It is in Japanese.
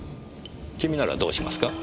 君ならどうしますか？